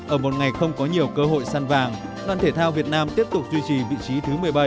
ở một ngày không có nhiều cơ hội săn vàng đoàn thể thao việt nam tiếp tục duy trì vị trí thứ một mươi bảy